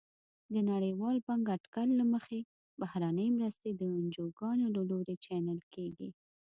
د نړیوال بانک اټکل له مخې بهرنۍ مرستې د انجوګانو له لوري چینل کیږي.